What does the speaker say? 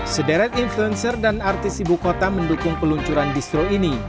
sederet influencer dan artis ibu kota mendukung peluncuran distro ini